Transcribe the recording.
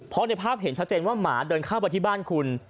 เพราะในภาพเห็นชัดเจนว่าหมาเดินเข้าไปที่บ้านคุณ